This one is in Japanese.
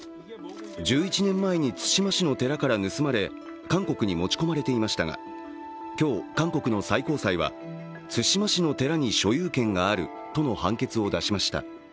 １１年前に対馬市の寺から盗まれ、韓国に持ち込まれていましたが、今日、韓国の最高裁は、対馬市の寺に所有権があるとの判決を出しました。